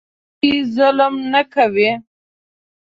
په حق کې ظلم نه کوي.